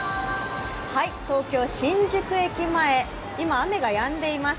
東京・新宿駅前、今、雨がやんでいます。